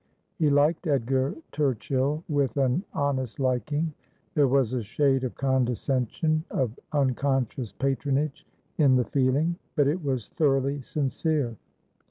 He liked Edgar Turchill with an honest liking. There was a shade of condescension, of uncon scious patronage, in the feeling ; but it was thoroughly sincere.